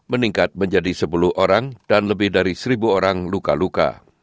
meningkat menjadi sepuluh orang dan lebih dari seribu orang luka luka